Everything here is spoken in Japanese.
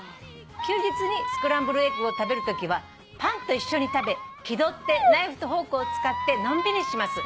「休日にスクランブルエッグを食べるときはパンと一緒に食べ気取ってナイフとフォークを使ってのんびりします」